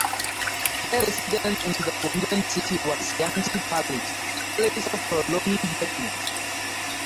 Her residence in the Forbidden City was Yanxi Palace (Palace of Prolonging Happiness).